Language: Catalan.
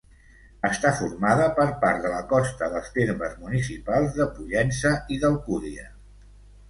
Està formada per part de la costa dels termes municipals de Pollença i d'Alcúdia.